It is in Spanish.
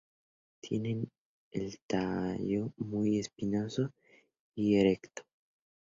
Tienen el tallo muy espinoso y erecto.